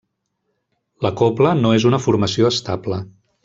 La cobla no és una formació estable.